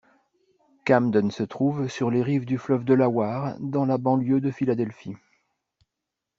Camden se trouve sur les rives du fleuve Delaware, dans la banlieue de Philadelphie.